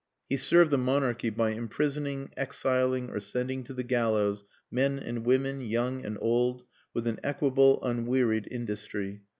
He served the monarchy by imprisoning, exiling, or sending to the gallows men and women, young and old, with an equable, unwearied industry.